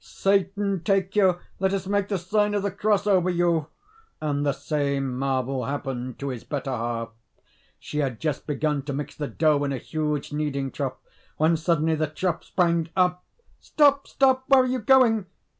"Satan take you, let us make the sign of the cross over you!" And the same marvel happened to his better half. She had just begun to mix the dough in a huge kneading trough when suddenly the trough sprang up. "Stop, stop! where are you going?"